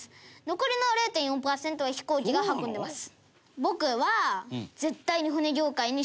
残りの０．４パーセントは飛行機が運んでます。